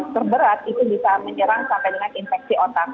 terberat itu bisa menyerang sampai dengan infeksi otak